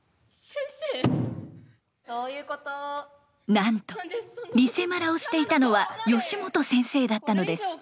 なんとリセマラをしていたのは吉本先生だったのです。